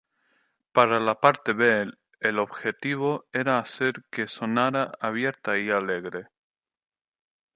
Para la parte B el objetivo era hacer que sonara abierta y alegre.